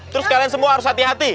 terus kalian semua harus hati hati